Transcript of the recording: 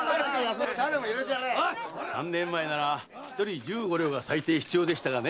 三年前なら一人十五両が最低必要でしたがね。